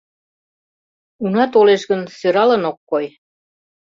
Уна толеш гын, сӧралын ок кой.